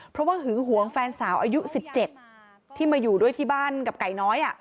เพราะว่าหึงหวงแฟนสาวอายุ๑๗ที่มาอยู่ด้วยที่บ้านกับไก่น้อย